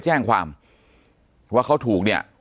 ปากกับภาคภูมิ